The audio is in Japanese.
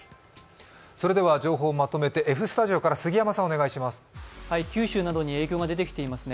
情報をまとめてＦスタジオから杉山さん、お願いします。